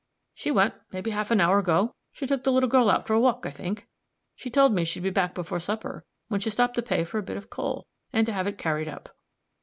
"She went, maybe, half an hour ago; she took the little girl out for a walk, I think. She told me she'd be back before supper, when she stopped to pay for a bit of coal, and to have it carried up."